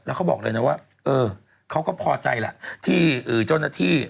เขาบอกเลยนะว่าเออเขาก็พอใจแหละที่เจ้าหน้าที่